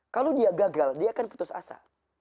kalau dia gagal dia akan putus asa